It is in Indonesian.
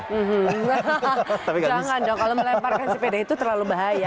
hahaha jangan dong kalau melemparkan sepeda itu terlalu bahaya